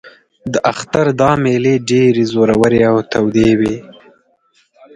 د اختر دا مېلې ډېرې زورورې او تودې وې.